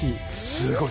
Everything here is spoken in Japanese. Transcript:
すごい！